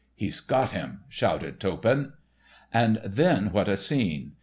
"He's got him!" shouted Toppan. And then what a scene!